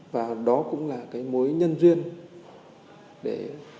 và đó cũng là cái mối nhân duyên để